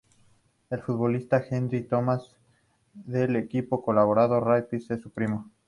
El futbolista Hendry Thomas del equipo Colorado Rapids es su primo.